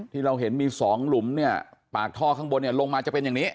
ที่เราเห็นมีสองหลุมเนี่ยปากท่อข้างบนเนี่ยลงมาจะเป็นอย่างนี้